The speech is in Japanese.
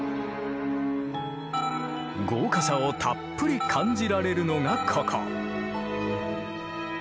豪華さをたっぷり感じられるのがここ。